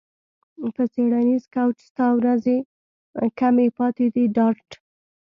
په څیړنیز کوچ ستا ورځې کمې پاتې دي ډارت